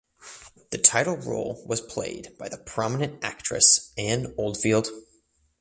The title role was played by the prominent actress Anne Oldfield.